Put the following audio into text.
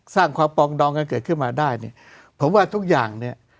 สร้างความปองดองกันเกิดขึ้นมาได้เนี่ยผมว่าทุกอย่างเนี่ย